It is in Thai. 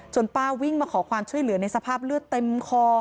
ป้าวิ่งมาขอความช่วยเหลือในสภาพเลือดเต็มคอ